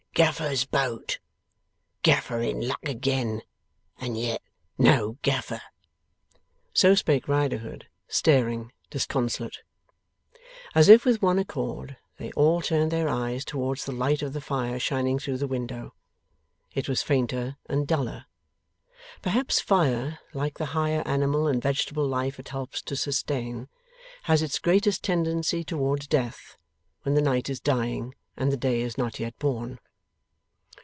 'Gaffer's boat, Gaffer in luck again, and yet no Gaffer!' So spake Riderhood, staring disconsolate. As if with one accord, they all turned their eyes towards the light of the fire shining through the window. It was fainter and duller. Perhaps fire, like the higher animal and vegetable life it helps to sustain, has its greatest tendency towards death, when the night is dying and the day is not yet born.